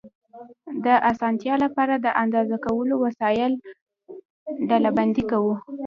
د اسانتیا لپاره د اندازه کولو وسایل ډلبندي کوو.